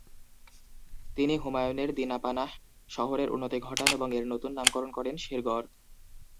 তিনি হুমায়ুনের "দিনা-পানাহ" শহরের উন্নতি ঘটান এবং এর নতুন নামকরণ করেন শেরগড়।